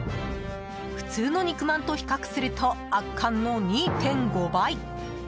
普通の肉まんと比較すると圧巻の２．５倍。